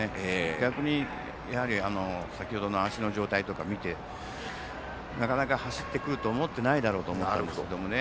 逆に、先程の足の状態とかを見てなかなか走ってくると思っていないだろうと思っていたと思いますね。